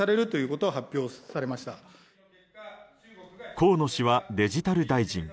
河野氏はデジタル大臣。